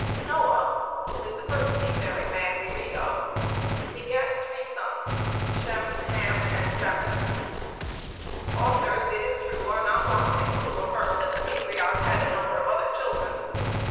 Noah, who is the first seafaring man we read of, begat three sons, Shem, Ham, and Japhet. Authors, it is true, are not wanting who affirm that the patriarch had a number of other children.